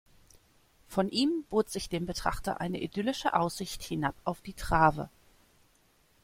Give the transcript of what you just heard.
Von ihm bot sich dem Betrachter eine idyllische Aussicht hinab auf die Trave.